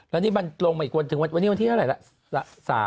แล้วนี่มันลงมาอีกวันถึงวันนี้วันที่อะไรล่ะ๓